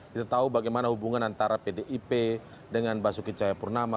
kita tahu bagaimana hubungan antara pdip dengan basuki cahayapurnama